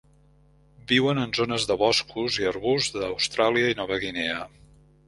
Viuen en zones de boscos i arbusts d'Austràlia i Nova Guinea.